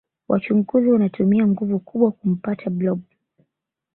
wachunguzi wanatumia nguvu kubwa kumpta blob